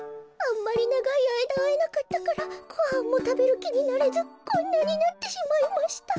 あんまりながいあいだあえなかったからごはんもたべるきになれずこんなになってしまいました。